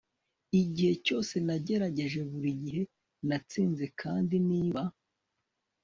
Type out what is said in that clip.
igihe cyose nagerageje, burigihe natsinze kandi niba